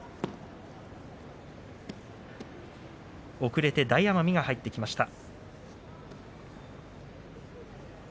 遅れて大奄美が入ってきました。